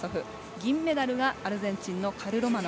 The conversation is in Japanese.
銀メダルがアルゼンチンのカルロマノ。